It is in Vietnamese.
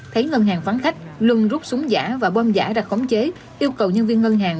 thấy ngân hàng phán luân rút súng giả và bom giả ra khống chế yêu cầu nhân viên ngân hàng